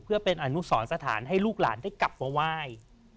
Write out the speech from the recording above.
เพื่อเป็นอนุสรสถานให้ลูกหลานได้กลับมาไหว้